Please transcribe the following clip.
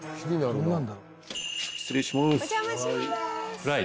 失礼します。